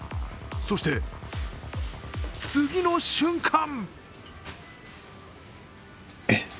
そして、次の瞬間！